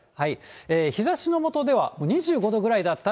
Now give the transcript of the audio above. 日ざしのもとでは２５度ぐらいだったら。